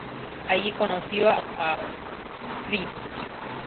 Allí conoció a fr.